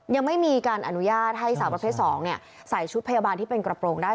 ยังไม่มีการอนุญาตให้สาวประเภท๒ใส่ชุดพยาบาลที่เป็นกระโปรงได้